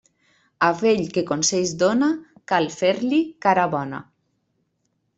A vell que consells dóna, cal fer-li cara bona.